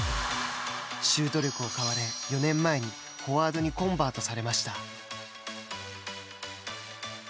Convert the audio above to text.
シュート力を買われ４年前に、フォワードにコンバートされました。